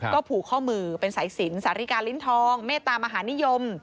ก็ผูกข้อมือเป็นสายสินสาริกาลิ้นทองเมตตามหานิยม